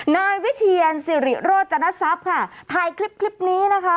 นายวิเทียนสิริโรจนสัพถ่ายคลิปนี้นะคะ